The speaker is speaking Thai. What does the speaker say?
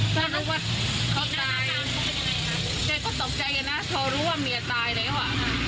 เกษตร์ก็ตกใจไว้นะเกษตร์รู้ว่าเมียตายแล้ว